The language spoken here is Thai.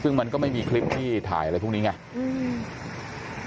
ซึ่งมันก็ไม่มีคลิปที่ถ่ายอะไรพวกนี้ไง